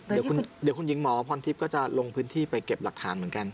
ตอบรับเข้ามาช่วยแล้วครับเดี๋ยวคุณหญิงหมอพ่อนทิพย์ก็จะลงพื้นที่ไปเก็บหลักฐานเหมือนกัน